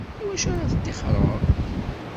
I wacu ara teṭṭixxreḍ?